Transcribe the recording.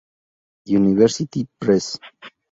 University Press.